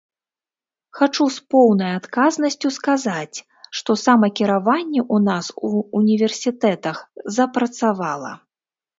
Хачу з поўнай адказнасцю сказаць, што самакіраванне ў нас у універсітэтах запрацавала.